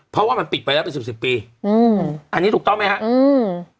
เพราะว่ามันปิดไปแล้วเป็นสิบสิบปีอืมอันนี้ถูกต้องไหมฮะอืม